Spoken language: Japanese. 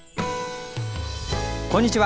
こんにちは。